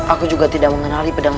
aku juga tidak mengenali pedang